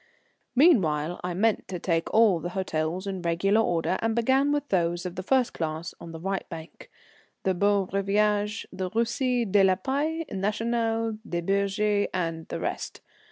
Meanwhile I meant to take all the hotels in regular order, and began with those of the first class on the right bank, the Beau Rivage, the Russie, de la Paix, National, Des Bergues, and the rest.